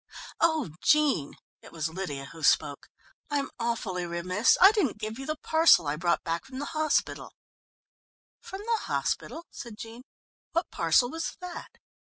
"Oh, Jean," it was Lydia who spoke. "I'm awfully remiss, I didn't give you the parcel I brought back from the hospital." "From the hospital?" said Jean. "What parcel was that?"